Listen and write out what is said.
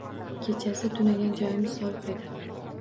Kechasi tunagan joyimiz sovuq edi.